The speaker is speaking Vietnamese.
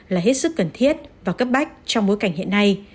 là hết sức cần thiết và cấp bách trong bối cảnh hiện nay